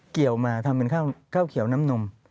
เกี่ยวมาทำเป็นข้าวเขียวน้ำนม